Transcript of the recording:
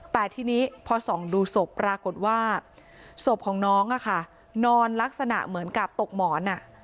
แต่ทีนี้พอส่องดูศพปรากฏว่าศพของน้องนอนลักษณะเหมือนกับตกหมอน